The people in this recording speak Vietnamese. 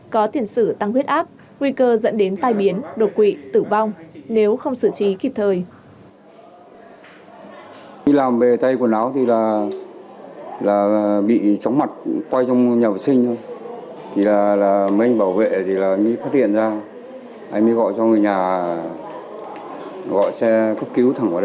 có thiền sử tăng huyết áp nguy cơ dẫn đến tai biến đột quỵ tử vong nếu không xử trí kịp thời